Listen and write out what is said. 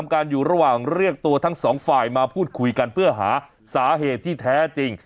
การอยู่ระหว่างเรียกตัวทั้งสองฝ่ายมาพูดคุยกันเพื่อหาสาเหตุที่แท้จริง